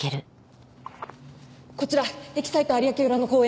こちらエキサイト有明裏の公園。